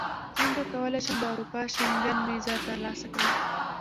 څنګه کولی شم د اروپا شینګن ویزه ترلاسه کړم